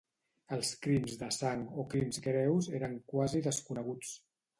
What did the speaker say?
Els crims de sang o crims greus eren quasi desconeguts.